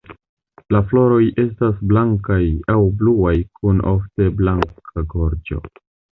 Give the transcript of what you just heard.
La floroj estas blankaj aŭ bluaj kun ofte blanka gorĝo.